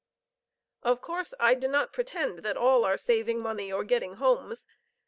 Of course I do not pretend that all are saving money or getting homes.